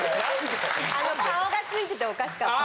あの顔がついてておかしかった。